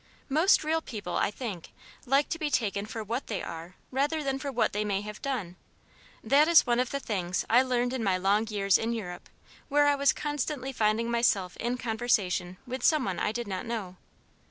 Most real people, I think, like to be taken for what they are rather than for what they may have done. That is one of the things I learned in my long years in Europe where I was constantly finding myself in conversation with some one I did not know.